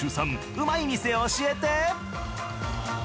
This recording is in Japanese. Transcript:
うまい店教えて！